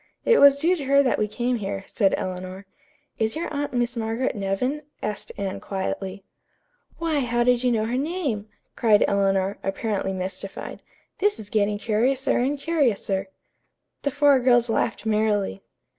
It was due to her that we came here," said Eleanor. "Is your aunt Miss Margaret Nevin?" asked Anne quietly. "Why, how did you know her name?" cried Eleanor, apparently mystified. "'This is getting curiouser and curiouser.'" The four girls laughed merrily.